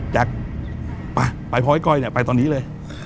แจ๊คไปพอไก่เนี่ยไปตอนนี้เลย